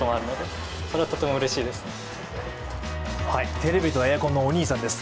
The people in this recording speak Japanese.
テレビとエアコンのお兄さんです。